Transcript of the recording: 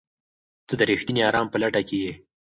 ته د رښتیني ارام په لټه کې یې؟